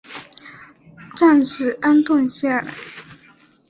暂时安顿下来